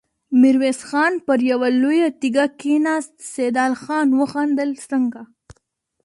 ميرويس خان پر يوه لويه تيږه کېناست، سيدال خان وخندل: څنګه!